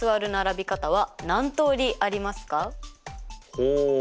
ほう。